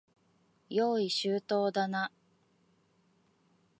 用意周到だな。